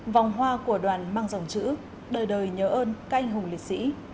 vòng hoa của đoàn mang dòng chữ đời đời nhớ ơn các anh hùng liệt sĩ